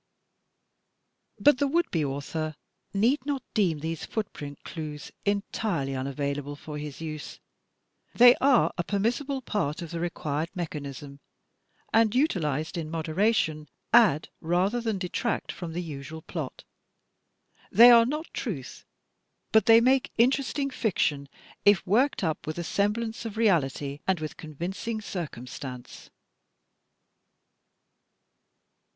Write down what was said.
But the would be author need not deem these footprint clues entirely unavailable for his use. They are a permissible part of the required mechanism, and utilized in moderation, add rather than detract from the usual plot. They are not truth, but they make interesting fiction, if worked up with a semblance of reality and with convincing circumstance.